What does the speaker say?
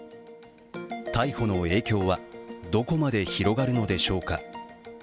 逮捕の影響はどこまで広がるのでしょうか。